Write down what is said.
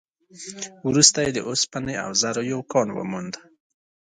وروسته يې د اوسپنې او زرو يو کان وموند.